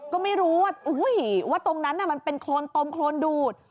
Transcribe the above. ก็ไม่รู้ว่าอู้หู้ยว่าตรงนั้นน่ะมันเป็นโคลนตมโคลนดูด